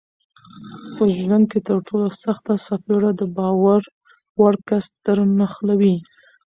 په ژوند کې ترټولو سخته څپېړه دباور وړ کس درنښلوي